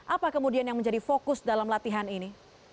apa kemudian yang menjadi fokus dalam latihan ini